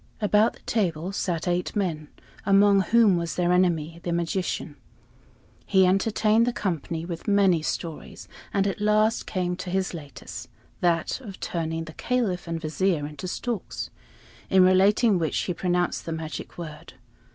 About the table sat eight men, among whom was their enemy, the magician. He entertained the company with many stories, and at last came to his latest that of turning the Caliph and Vizier into storks in relating which he pronounced the magic word.